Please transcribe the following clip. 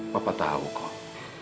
papa tahu kok